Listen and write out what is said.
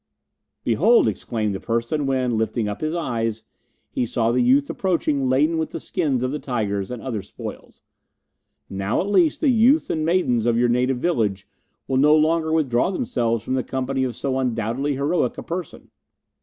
"Behold," exclaimed that person, when, lifting up his eyes, he saw the youth approaching laden with the skins of the tigers and other spoils, "now at least the youths and maidens of your native village will no longer withdraw themselves from the company of so undoubtedly heroic a person."